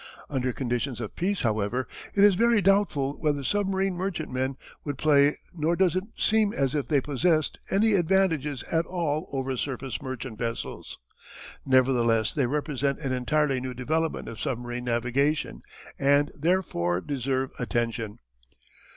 Under conditions of peace, however, it is very doubtful whether submarine merchantmen would pay, nor does it seem as if they possessed any advantages at all over surface merchant vessels. Nevertheless they represent an entirely new development of submarine navigation and, therefore, deserve attention.